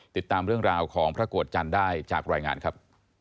ติดตามเรื่องราวของพระโกรธจันทร์ได้จากรายงานครับ